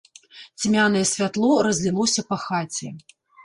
Цьмянае святло разлілося па хаце.